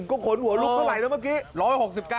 ก็ขนหัวลุกเท่าไหรแล้วเมื่อกี้